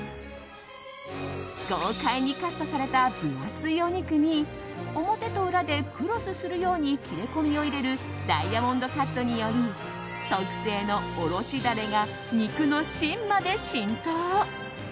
豪快にカットされた分厚いお肉に表と裏でクロスするように切れ込みを入れるダイヤモンドカットにより特製のおろしダレが肉の芯まで浸透。